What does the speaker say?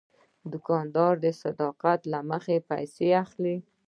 دوکاندار د صداقت له مخې پیسې اخلي.